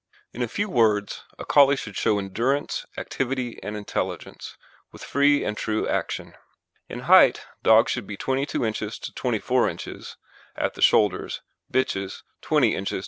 In a few words, a Collie should show endurance, activity, and intelligence, with free and true action. In height dogs should be 22 ins. to 24 ins. at the shoulders, bitches 20 ins.